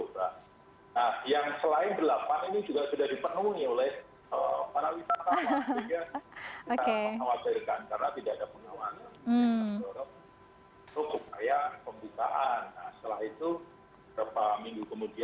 kami melihat peningkatannya di weekend